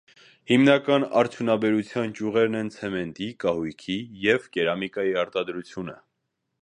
Հիմնական արդյունաբերության ճյուղերն են ցեմենտի, կահույքի և կերամիկայի արտադրությունը։